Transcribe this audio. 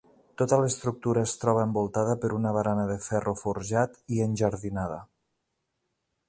Tota l'estructura es troba envoltada per una barana de ferro forjat i enjardinada.